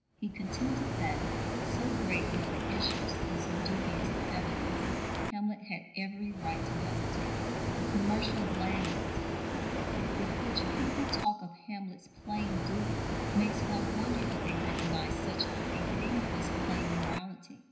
He contended that, so great were the issues and so dubious the evidence, Hamlet had every right to hesitate. "The commercial blandness," he wrote, "with which people talk of Hamlet's 'plain duty' makes one wonder if they recognize such a thing as plain morality.